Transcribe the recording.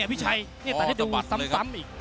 นี่พี่ชัยแต่ได้ดูซ้ำอีก